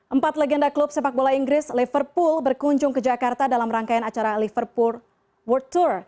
empat legenda klub sepak bola inggris liverpool berkunjung ke jakarta dalam rangkaian acara liverpool world tour